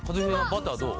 バターどう？